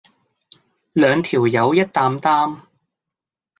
兩條友一擔擔